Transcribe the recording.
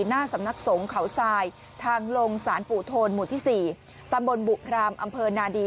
หน้าสำนักสงฆ์เขาทรายทางลงสารปู่โทนหมู่ที่๔ตำบลบุพรามอำเภอนาดี